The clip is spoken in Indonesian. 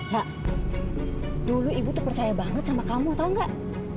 lah dulu ibu tuh percaya banget sama kamu tau gak